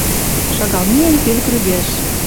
Шагал миэн пел крӱгӓш.